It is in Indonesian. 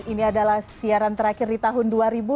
ini adalah siaran terakhir di tahun dua ribu dua